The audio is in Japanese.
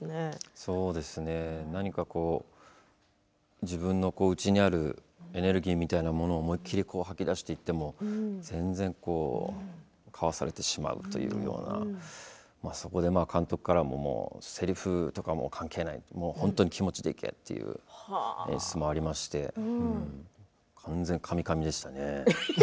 そうですね何かこう自分の内にあるエネルギーみたいなものを思い切り吐き出していっても全然かわされてしまうというような、そこで監督からもせりふとか関係ない本当に気持ちでいけという演出もありまして完全にかみかみでしたね。